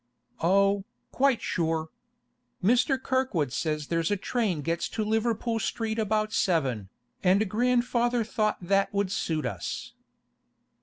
'Oh, quite sure. Mr. Kirkwood says there's a train gets to Liverpool Street about seven, and grandfather thought that would suit us.